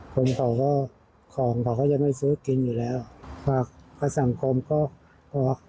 คนเขาก็ของเขาก็ยังไม่ซื้อกินอยู่แล้วภาคสังคมก็บอก